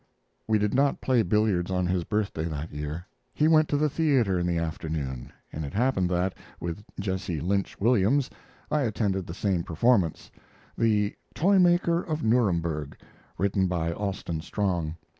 We did not play billiards on his birthday that year. He went to the theater in the afternoon; and it happened that, with Jesse Lynch Williams, I attended the same performance the "Toy Maker of Nuremberg" written by Austin Strong.